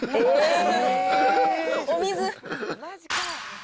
お水。